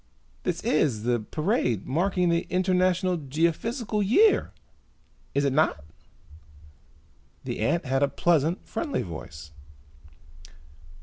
"This is the parade marking the International Geophysical Year, is it not?" The ant had a pleasant, friendly voice.